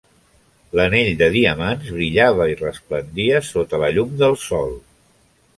L"anell de diamants brillava i resplendia sota la llum del sol.